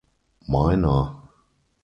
Miner.